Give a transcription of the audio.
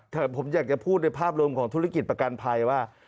แต่ผมอยากจะพูดในภาพรวมของธุรกิจประกันภัยว่า